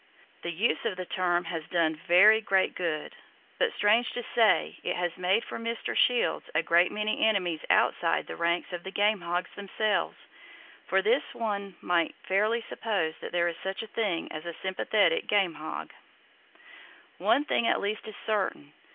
The use of the term has done very great good; but, strange to say, it has made for Mr. Shields a great many enemies outside the ranks of the game hogs themselves! From this one might fairly suppose that there is such a thing as a sympathetic game hog! One thing at least is certain.